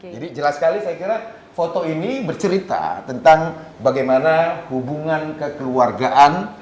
jadi jelas sekali saya kira foto ini bercerita tentang bagaimana hubungan kekeluargaan